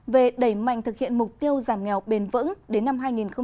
về đẩy mạnh thực hiện mục tiêu giảm nghèo bền vững đến năm hai nghìn ba mươi